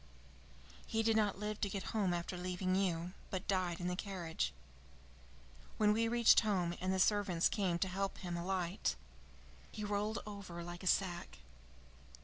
"He did not live to get home after leaving you, but died in the carriage. When we reached home and the servants came to help him alight, he rolled over like a sack.